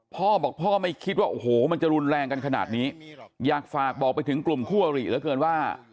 พ่อบอกพ่อไม่คิดว่าโอ้โหมันจะรุนแรงกันขนาดนี้อยากฝากบอกไปถึงกลุ่มคู่อริเหลือเกินว่า